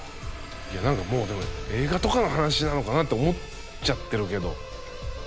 いや何かもうでも映画とかの話なのかなと思っちゃってるけど。